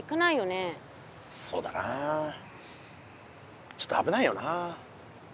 そうだなあちょっとあぶないよな。